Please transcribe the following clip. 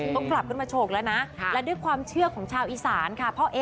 ต้องกลับเกิดโชว์แล้วนะและด้วยความเชื่อของชาวอิสานค่ะ